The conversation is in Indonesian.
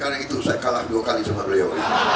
karena itu saya kalah dua kali sama beliau